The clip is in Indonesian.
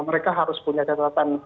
mereka harus punya catatan